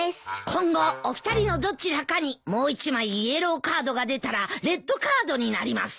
今後お二人のどちらかにもう一枚イエローカードが出たらレッドカードになります。